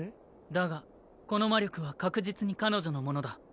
だがこの魔力は確実に彼女のものだ。